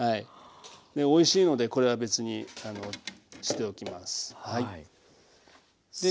おいしのでこれは別にしておきます。